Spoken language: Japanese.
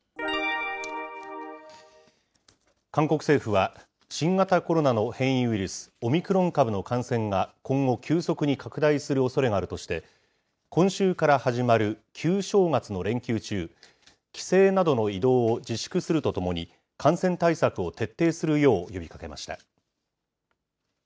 韓国政府は、新型コロナの変異ウイルス、オミクロン株の感染が今後、急速に拡大するおそれがあるとして、今週から始まる旧正月の連休中、帰省などの移動を自粛するとともに、感染対策を徹底するよう呼びかけました。